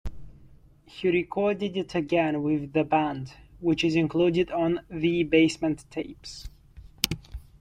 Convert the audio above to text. He recorded it again with the Band, which is included on "The Basement Tapes".